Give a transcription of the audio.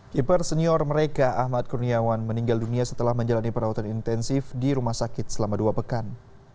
keeper senior mereka ahmad kurniawan meninggal dunia setelah menjalani perawatan intensif di rumah sakit selama dua pekan